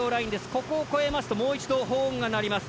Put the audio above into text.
ここを越えますともう一度ホーンが鳴ります。